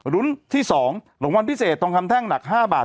รุ้นที่๒รางวัลพิเศษทองคำแท่งหนัก๕บาท